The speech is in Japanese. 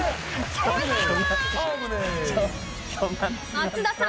松田さん